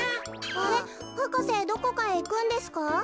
あれっ博士どこかへいくんですか？